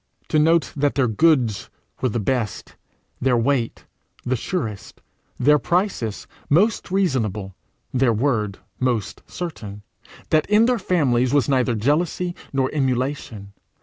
to note that their goods were the best, their weight surest, their prices most reasonable, their word most certain! that in their families was neither jealousy nor emulation!